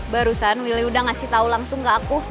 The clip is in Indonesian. barusan willy udah ngasih tau langsung ke aku